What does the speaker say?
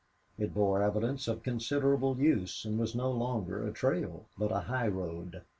It bore evidence of considerable use and was no longer a trail, but a highroad.